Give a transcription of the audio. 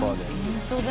本当だ。